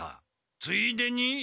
ついでに」。